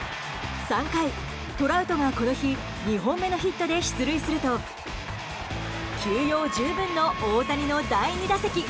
３回、トラウトがこの日２本目のヒットで出塁すると休養十分の大谷の第２打席。